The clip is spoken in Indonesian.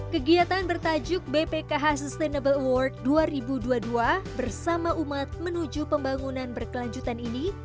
kegiatan bertajuk bpkh sustainable award dua ribu dua puluh dua bersama umat menuju pembangunan berkelanjutan ini